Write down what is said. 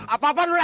apa apaan lu lek